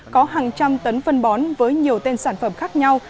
có hàng trăm tấn phân bón với nhiều tên sản phẩm khác nhau